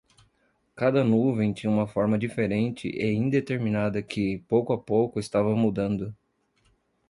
Cada nuvem tinha uma forma diferente e indeterminada que, pouco a pouco, estava mudando.